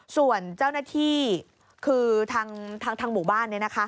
ส่วนเจ้าหน้าที่คือทางหมู่บ้าน